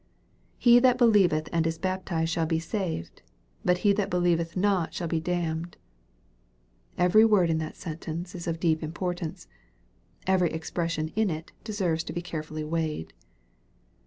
" He that believe th and is baptized shall be saved ; but he that believeth not shall be damned." Every word in that sentence is of deep import ance. Every expression in it deserves to be carefully weighed.